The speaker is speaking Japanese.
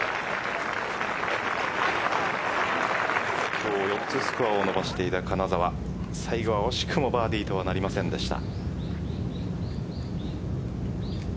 今日４つスコアを伸ばしていた金澤最後は惜しくもバーディーとはなりませんでした。